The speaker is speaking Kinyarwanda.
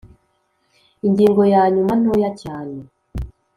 ingingo ya nyuma ntoya cyane,